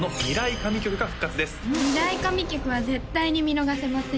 神曲は絶対に見逃せませんね